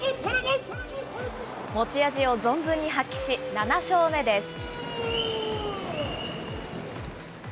持ち味を存分に発揮し、７勝目です。